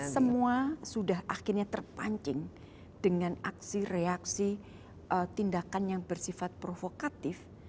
semua sudah akhirnya terpancing dengan aksi reaksi tindakan yang bersifat provokatif